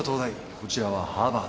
こちらはハーバード。